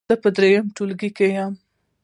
زه په دریم ټولګي کې یم.